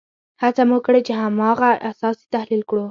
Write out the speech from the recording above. هڅه مو کړې په هماغه اساس یې تحلیل کړو.